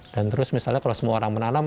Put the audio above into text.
dan terus misalnya kalau semua orang menanam